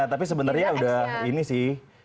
tapi sebenarnya udah ini sih